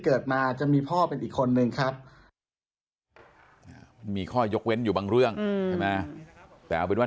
เกิดมาจะมีพ่อเป็นอีกคนมีข้อยกเว้นอยู่บางเรื่องแบบนี้ว่า